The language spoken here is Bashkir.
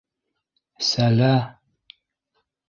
Сәлә...